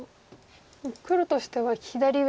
黒としては左上